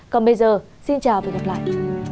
còn bây giờ xin chào và hẹn gặp lại